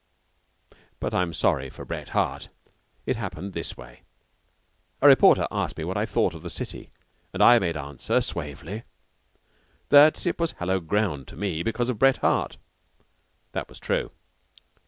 But I am sorry for Bret Harte. It happened this way. A reporter asked me what I thought of the city, and I made answer suavely that it was hallowed ground to me, because of Bret Harte. That was true.